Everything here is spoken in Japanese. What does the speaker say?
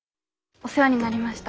お世話になりました。